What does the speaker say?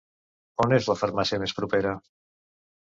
On és la farmàcia més propera?